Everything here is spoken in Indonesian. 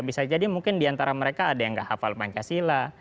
bisa jadi mungkin diantara mereka ada yang gak hafal pancasila